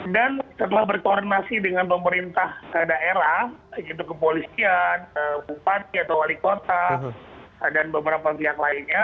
dan setelah berkoordinasi dengan pemerintah daerah yaitu kepolisian bupati atau wali kota dan beberapa pihak lainnya